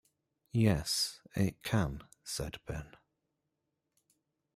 "Yes, it can," said Ben.